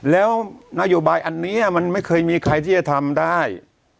แล้วนโยบายอันนี้มันไม่เคยมีใครที่จะทำได้